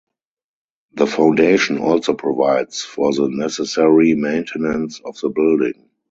The foundation also provides for the necessary maintenance of the building.